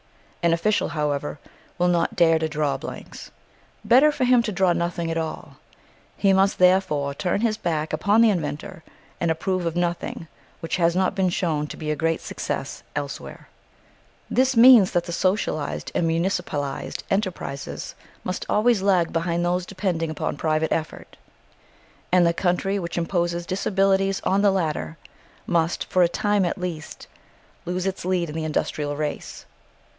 An official, however, will not dare to draw blanks. Better for him to draw nothing at all. He must therefore turn his back upon the inventor and approve of nothing which has not been shown to be a great success elsewhere. This means that the socialised and municipalised enterprises must always lag behind those depending upon private effort; and the country which imposes disabilities on the latter must, for a time at least, lose its lead in the industrial race.